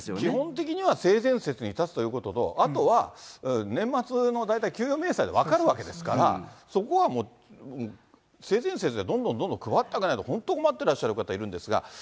基本的には性善説に立つということと、あとは年末の大体、給与明細で分かるわけですから、そこはもう、性善説でどんどんどんどん配ってあげないと、本当困ってらっしゃる方いるんですから。